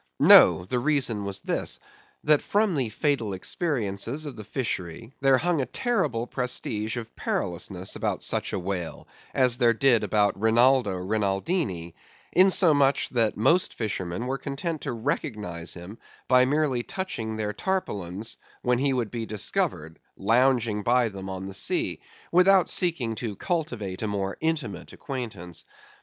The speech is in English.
No: the reason was this: that from the fatal experiences of the fishery there hung a terrible prestige of perilousness about such a whale as there did about Rinaldo Rinaldini, insomuch that most fishermen were content to recognise him by merely touching their tarpaulins when he would be discovered lounging by them on the sea, without seeking to cultivate a more intimate acquaintance.